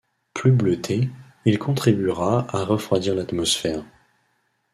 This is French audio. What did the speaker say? Plus bleuté, il contribuera à refroidir l'atmosphère.